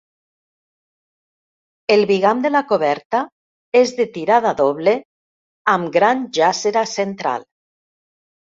El bigam de la coberta és de tirada doble amb gran jàssera central.